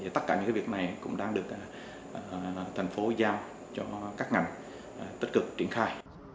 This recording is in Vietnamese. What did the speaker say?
tất cả những việc này cũng đang được thành phố giao cho các ngành tích cực triển khai